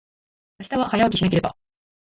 明日は、早起きしなければ。